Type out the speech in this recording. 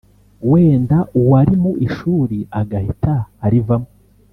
wenda uwari mu ishuri agahita arivamo